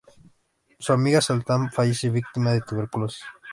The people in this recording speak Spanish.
Su amiga Satan fallece víctima de tuberculosis.